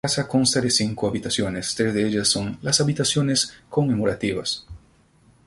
La casa consta de cinco habitaciones: tres de ellas son las habitaciones conmemorativas.